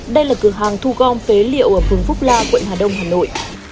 đây là cửa hàng thu gom phế liệu ở phường phúc la quận hà đông hà nội